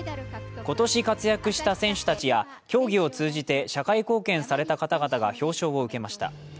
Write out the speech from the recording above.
今年活躍した選手たちや競技を通じて社会貢献された方々が表彰を受けました。